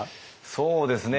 そうですね